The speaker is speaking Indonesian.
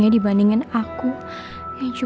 sama sama nya aku manjat